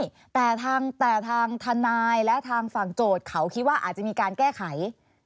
ใช่แต่ทางทนายและทางฝั่งโจทย์เขาคิดว่าอาจจะมีการแก้ไข